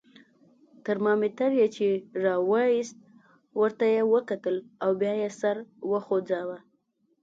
ترمامیتر یې چې را وایست، ورته یې وکتل او بیا یې سر وخوځاوه.